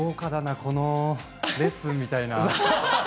このレッスンみたいな。